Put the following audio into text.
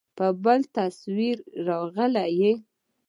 بل تصوير راغى.